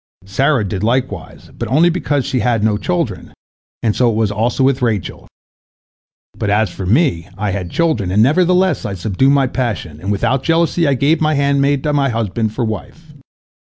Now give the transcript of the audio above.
Sarah did likewise, but only because she had no children, and so it was also with Rachel. But as for me, I had children, and nevertheless I subdued my passion, and without jealousy I gave my handmaid to my husband for wife.